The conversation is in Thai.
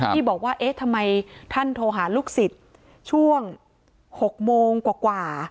ที่บอกว่าเอ๊ะทำไมท่านโทรหาลูกศิษย์ช่วง๖โมงกว่า